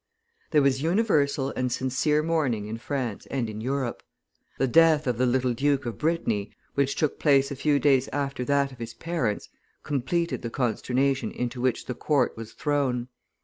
There was universal and sincere mourning in France and in Europe. The death of the little Duke of Brittany, which took place a few days after that of his parents, completed the consternation into which the court was thrown.